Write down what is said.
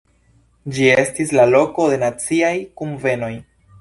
Ĝi estis la loko de naciaj kunvenoj.